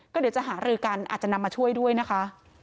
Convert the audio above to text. เดี๋ยวจะหารือกันอาจจะนำมาช่วยด้วยนะคะ